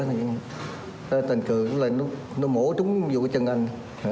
rắn thì tình cựu nó mổ trúng vụ trần anh